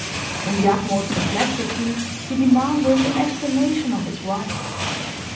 In the utmost perplexity, he demanded an explanation of his wife.